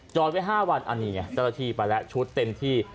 จอดไว้๕วันอันนี้เนี่ยทะเบียนวางูทศไปแล้วชุดเต็มที่